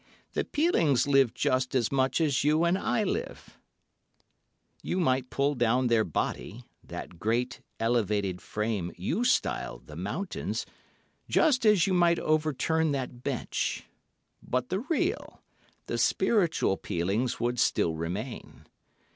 The Pelings live just as much as you and I live—you might pull down their body, that great, elevated frame you style the mountains, just as you might overturn that bench; but the real, the spiritual Pelings would still remain.